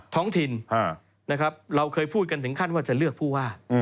ท้องถิ่นนะครับเราเคยพูดกันถึงขั้นว่าจะเลือกผู้ว่า